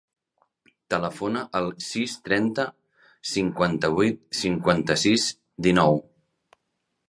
Telefona al sis, trenta, cinquanta-vuit, cinquanta-sis, dinou.